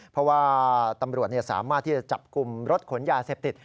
เพราะว่าตำรวจสามารถที่จะจับกลุ่มรถขนยาเสพติด